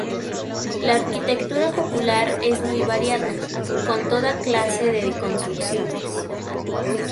La arquitectura popular es muy variada, con toda clase de construcciones.